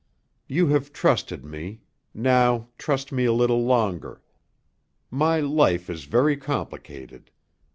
"You have trusted me; now, trust me a little longer. My life is very complicated.